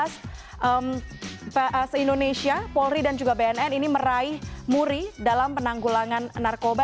se indonesia polri dan juga bnn ini meraih muri dalam penanggulangan narkoba